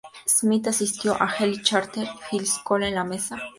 Smith asistió a Helix Charter High School en La Mesa, California.